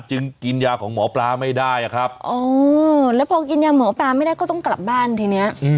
กินยาของหมอปลาไม่ได้อะครับอ๋อแล้วพอกินยาหมอปลาไม่ได้ก็ต้องกลับบ้านทีเนี้ย